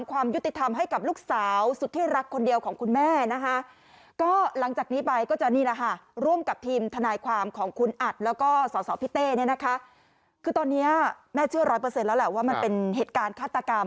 คือตอนนี้แม่เชื่อร้อยเปอร์เซ็นต์แล้วแหละว่ามันเป็นเหตุการณ์ฆาตกรรม